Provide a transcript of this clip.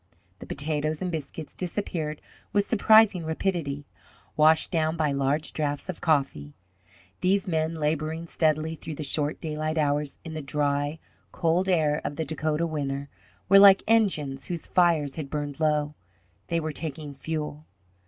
The potatoes and biscuits disappeared with surprising rapidity, washed down by large drafts of coffee. These men, labouring steadily through the short daylight hours in the dry, cold air of the Dakota winter, were like engines whose fires had burned low they were taking fuel.